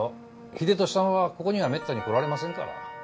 英利さんはここにはめったに来られませんから。